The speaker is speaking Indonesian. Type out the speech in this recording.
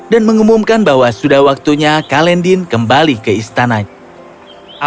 dan mengumumkan bahwa sudah waktunya kalendin kembali ke istananya